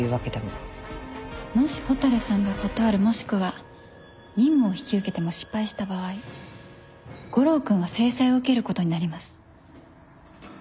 もし蛍さんが断るもしくは任務を引き受けても失敗した場合悟郎君は制裁を受けることになります